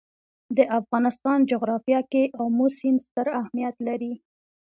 د افغانستان جغرافیه کې آمو سیند ستر اهمیت لري.